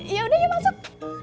yaudah ya masuk